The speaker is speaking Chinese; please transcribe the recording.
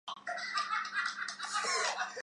它也是奇尔特恩区属下的一个民政教区。